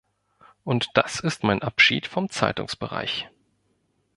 Und das ist mein Abschied vom Zeitungsbereich.